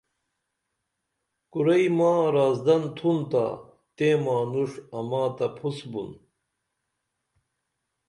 کُرئی ما رازدن تُھن تا تیں مانُݜ اما تہ پُھس بُن